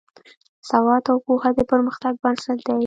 سواد او پوهه د پرمختګ بنسټ دی.